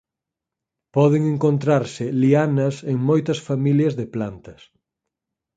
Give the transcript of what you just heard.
Poden encontrarse lianas en moitas familias de plantas.